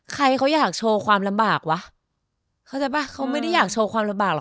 ใครเขาอยากโชว์ความลำบากวะเข้าใจป่ะเขาไม่ได้อยากโชว์ความลำบากหรอ